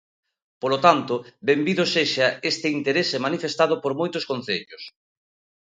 Polo tanto, benvido sexa este interese manifestado por moitos concellos.